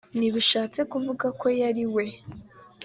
ntibishatse kuvuga ko yari we